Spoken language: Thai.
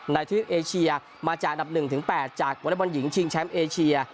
ในที่เอเชียมาจากอันดับ๑ถึง๘จากบริษัทบริษัทหญิงชิงแชมป์เอเชีย